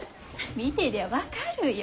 見てりゃ分かるよ。